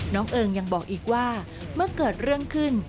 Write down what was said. เอิงยังบอกอีกว่าเมื่อเกิดเรื่องขึ้น